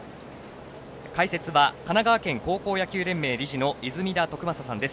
解説は神奈川県高校野球連盟理事の泉田徳正さんです。